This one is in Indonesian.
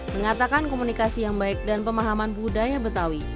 mengatakan komunikasi yang baik dan pemahaman budaya betawi